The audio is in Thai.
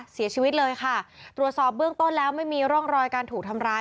เสียชีวิตเลยค่ะตรวจสอบเบื้องต้นแล้วไม่มีร่องรอยการถูกทำร้าย